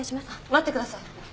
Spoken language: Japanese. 待ってください。